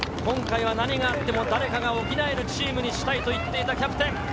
今回は何があっても、誰かが補えるチームにしたいと言っててキャプテン。